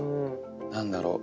何だろう